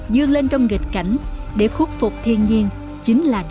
dương lên trong nghịch cảnh để khuất phục thiên nhiên chính là nơi